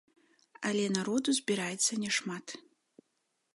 Але народу збіраецца няшмат.